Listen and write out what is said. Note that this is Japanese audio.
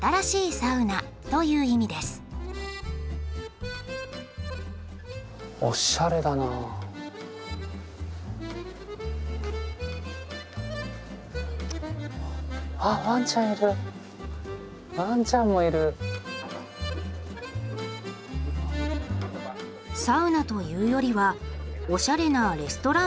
サウナというよりはおしゃれなレストランバーのような店内。